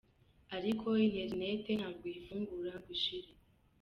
Ariko Internet ntabwo uyifungura ngo ishire.”